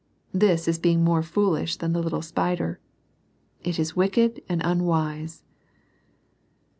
This is being more foolish than the little spider. It is wicked and unwise.